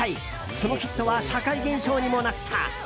そのヒットは社会現象にもなった。